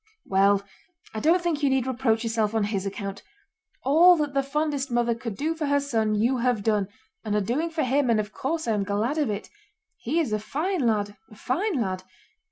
"Well, I don't think you need reproach yourself on his account. All that the fondest mother could do for her son you have done and are doing for him, and of course I am glad of it. He is a fine lad, a fine lad!